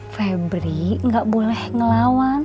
febri gak boleh ngelawan